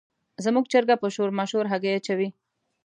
زموږ چرګه په شور ماشور هګۍ اچوي.